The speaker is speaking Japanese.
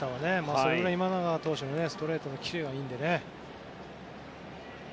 それぐらい今永投手のストレートキレがいいのでね。